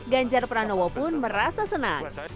ganjar pranowo pun merasa senang